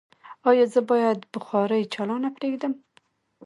ایا زه باید بخاری چالانه پریږدم؟